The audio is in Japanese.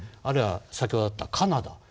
あるいは先ほどあったカナダ。